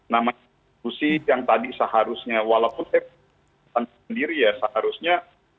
namanya institusi yang tadi seharusnya walaupun ya seharusnya